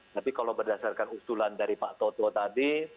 tapi kalau berdasarkan usulan dari pak toto tadi